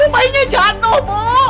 bayinya jatuh bu